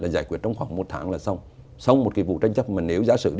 giải quyết trong khoảng một tháng là xong